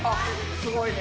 すごいね。